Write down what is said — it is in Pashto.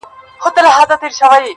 پر سر یې واوري اوروي پای یې ګلونه!!